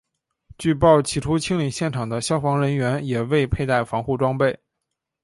据报起初清理现场的消防人员也未佩戴防护装备。